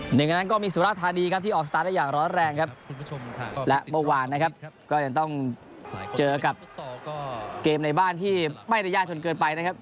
หนึ่งในนั้นก็มีสุราธานีครับที่ออกสตาร์ทได้อย่างร้อนแรงครับคุณผู้ชมและเมื่อวานนะครับก็ยังต้องเจอกับเกมในบ้านที่ไม่ได้ยากจนเกินไปนะครับ